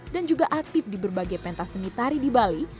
dan juga aktif di berbagai pentas seni tari di bali